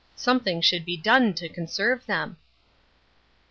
Something should be done to conserve them.